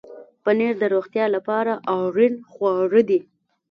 پنېر د روغتیا لپاره اړین خواړه دي.